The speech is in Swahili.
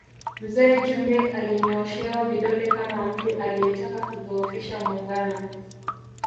Mzee Jumbe alinyooshewa vidole kama mtu aliyetaka kuudhofisha Muungano